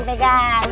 rena yang pegang